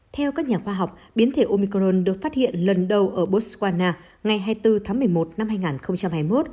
theo các nhà khoa học biến thể omicron được phát hiện lần đầu ở botswana ngày hai mươi bốn tháng một mươi một năm hai nghìn hai mươi một